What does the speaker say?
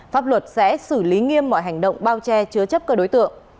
pháp luật sẽ xử lý nghiêm mọi hành động bao che chứa chấp các đối tượng